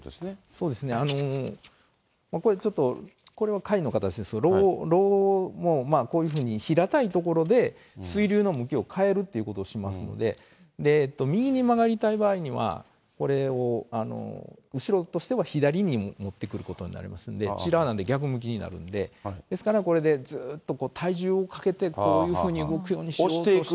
そうですね、これちょっと、これはかいの形ですけど、ろもこういうふうに平たい所で水流の向きを変えるっていうことをしますので、右に曲がりたい場合には、これを後ろとしては左に持ってくることになりますので、内側なんで逆向きになるんで、ですからこれでずっと体重をかけて動くようにして。